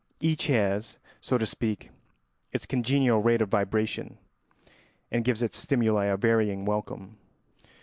Each has, so to speak, its congenial rate of vibration and gives its stimuli a varying welcome.